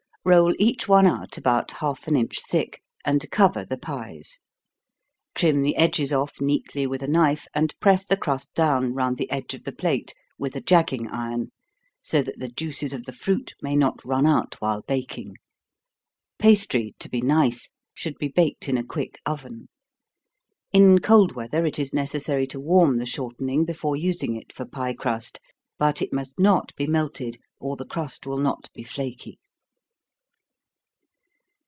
Roll each one out about half an inch thick, and cover the pies trim the edges off neatly with a knife, and press the crust down, round the edge of the plate, with a jagging iron, so that the juices of the fruit may not run out while baking. Pastry, to be nice, should be baked in a quick oven. In cold weather it is necessary to warm the shortening before using it for pie crust, but it must not be melted, or the crust will not be flaky.